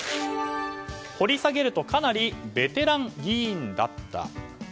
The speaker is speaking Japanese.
掘り下げるとかなりベテラン議員だった。